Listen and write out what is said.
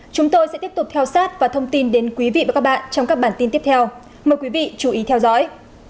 chúng tôi sẽ tiếp tục theo sát và thông tin đến quý vị và các bạn trong các bản tin tiếp theo mời quý vị chú ý theo dõi